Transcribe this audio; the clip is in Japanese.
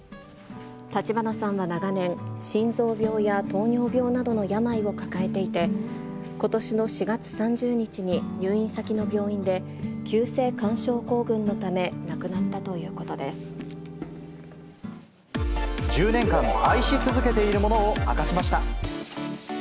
立花さんは長年、心臓病や糖尿病などの病を抱えていて、ことしの４月３０日に入院先の病院で急性冠症候群のため亡くなっ１０年間、愛し続けているものを明かしました。